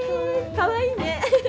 かわいいね。